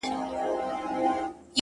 ه زه د دوو مئينو زړو بړاس يمه؛